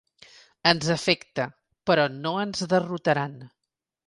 Ens afecta, però no ens derrotaran